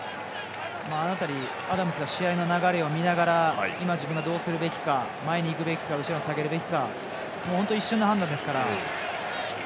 アダムズが試合の流れを見ながら今、自分がどうするべきか、前にいくべきか後ろに下げるべきか本当、一瞬の判断ですから。